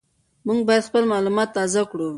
موږ باید خپل معلومات تازه کړو.